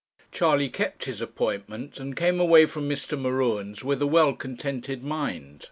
Charley kept his appointment, and came away from Mr. M'Ruen's with a well contented mind.